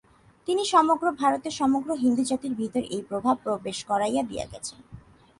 তিনি সমগ্র ভারতে সমগ্র হিন্দুজাতির ভিতর এই ভাব প্রবেশ করাইয়া দিয়া গিয়াছেন।